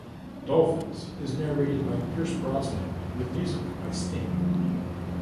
"Dolphins" is narrated by Pierce Brosnan with music by Sting.